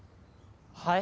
はい？